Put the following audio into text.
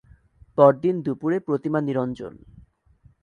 পরদিন দুপুরে প্রতিমা নিরঞ্জন।